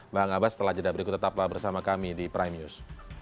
bang abbas setelah jeda berikut tetaplah bersama kami di prime news